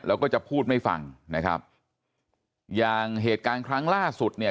แล้วก็จะพูดไม่ฟังนะครับอย่างเหตุการณ์ครั้งล่าสุดเนี่ย